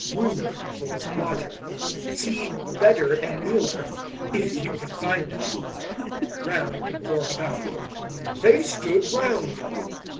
Roomer for Lodger. See Bedder and Mealer if you can find them. Round for About. "They stood round."